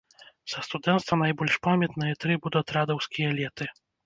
Са студэнцтва найбольш памятныя тры будатрадаўскія леты.